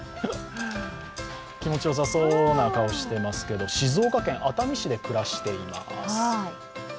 気持ちよさそうな顔してますけど、静岡県熱海市で暮らしています。